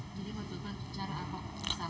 jadi menurut pak cara apa